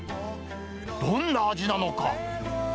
どんな味なのか。